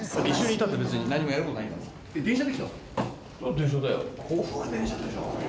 電車だよ。